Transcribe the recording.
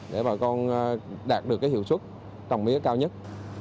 để bà con đạt được hiệu suất còng mía cao nhất